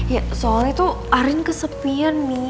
ya soalnya tuh arin kesepian nih